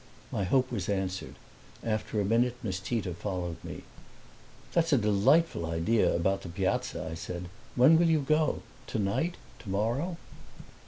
My hope was answered; after a minute Miss Tita followed me. "That's a delightful idea about the Piazza," I said. "When will you go tonight, tomorrow?"